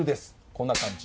こんな感じ。